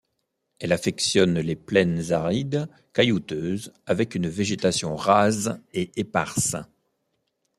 Elle affectionne les plaines arides, caillouteuses, avec une végétation rase et éparse.